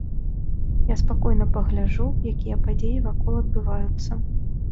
Я спакойна пагляджу, якія падзеі вакол адбываюцца.